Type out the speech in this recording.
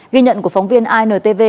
ghi nhận của phóng viên intv